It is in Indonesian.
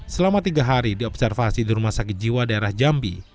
selama tiga hari diobservasi di rumah sakit jiwa daerah jambi